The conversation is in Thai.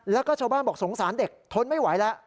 แล้วก็ชาวบ้านบอกสงสารเด็กทนไม่ไหวแล้ว